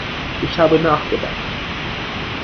Ich habe nachgedacht.